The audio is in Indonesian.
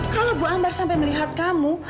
kalau bu ambar sampai melihat kamu